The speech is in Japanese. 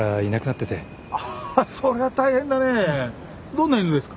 どんな犬ですか？